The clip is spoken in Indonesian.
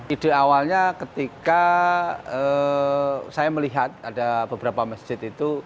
ide awalnya ketika saya melihat ada beberapa masjid itu